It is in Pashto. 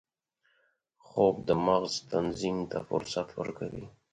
خوب د مغز تنظیم ته فرصت ورکوي